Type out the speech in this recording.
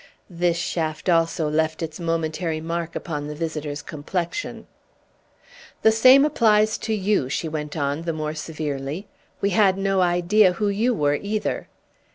This shaft also left its momentary mark upon the visitor's complexion. "The same applies to you," she went on the more severely. "We had no idea who you were, either!"